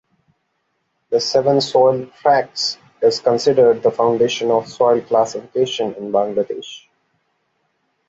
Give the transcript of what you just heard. The Seven Soil Tracts is considered the foundation of soil classification in Bangladesh.